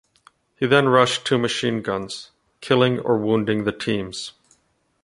He then rushed two machine-guns, killing or wounding the teams.